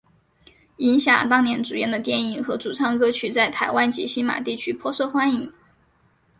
银霞当年主演的电影和主唱歌曲在台湾及星马地区颇受欢迎。